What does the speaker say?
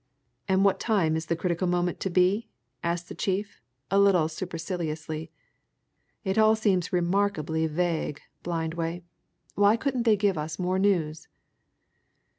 "And what time is the critical moment to be?" asked the chief, a little superciliously. "It all seems remarkably vague, Blindway why couldn't they give us more news?"